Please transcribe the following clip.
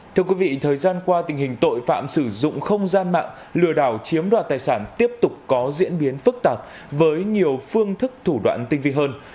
thưa quý vị thời gian qua tình hình tội phạm sử dụng không gian mạng lừa đảo chiếm đoạt tài sản tiếp tục có diễn biến phức tạp với nhiều phương thức thủ đoạn tinh vi hơn